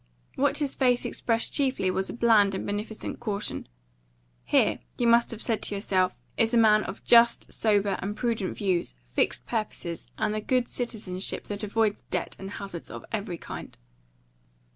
What his face expressed chiefly was a bland and beneficent caution. Here, you must have said to yourself, is a man of just, sober, and prudent views, fixed purposes, and the good citizenship that avoids debt and hazard of every kind.